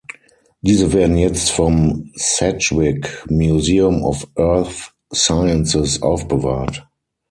Diese werden jetzt vom Sedgwick Museum of Earth Sciences aufbewahrt.